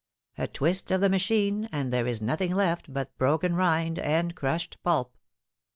A twist of the machine, and there is nothing left but broken rind and crushed pulp.